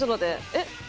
えっ。